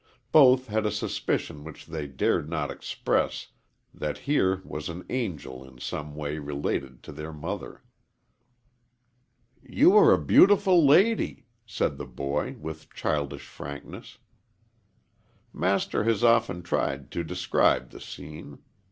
Both had a suspicion which they dared not express that here was an angel in some way related to their mother. "You are a beautiful lady," said the boy, with childish frankness. Master has often tried to describe the scene.